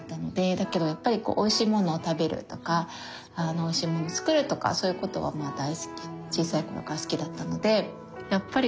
だけどやっぱりこうおいしいものを食べるとかおいしいものを作るとかそういうことはまあ大好き小さい頃から好きだったので。